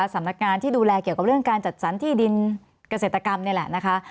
สำนักงานที่ดูแลเกี่ยวกับเรื่องการจัดสรรที่ดินเกษตรกรรมนี่แหละนะคะ